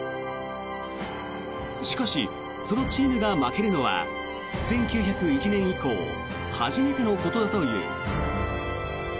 しかし、そのチームが負けるのは１９０１年以降初めてのことだという。